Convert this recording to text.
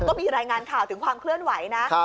ก็มีรายงานข่าวถึงความเคลื่อนไหวนะ